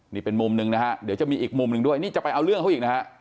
นี่เป็นมุมหนึ่งนะฮะเดี๋ยวจะมีอีกมุมหนึ่งด้วยนี่จะไปเอาเรื่องเขาอีกนะฮะ